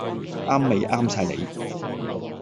啱味啱晒你